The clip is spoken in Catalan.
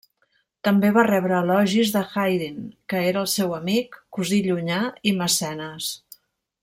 També va rebre elogis de Haydn, que era el seu amic, cosí llunyà i mecenes.